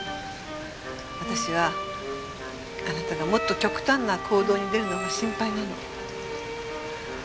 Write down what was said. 私はあなたがもっと極端な行動に出るのが心配なの。